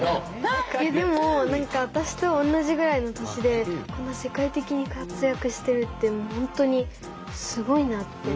えでも私と同じぐらいの年でこんな世界的に活躍してるってもう本当にすごいなって。